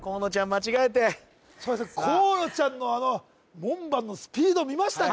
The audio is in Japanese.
間違えて河野ちゃんのあの門番のスピード見ましたか？